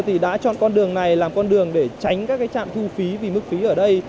thì đã chọn con đường này làm con đường để tránh các cái trạm thu phí vì mức phí ở đây